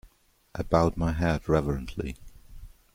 I bowed my head reverently.